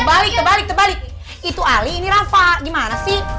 terbalik terbalik terbalik itu ali ini rafa gimana sih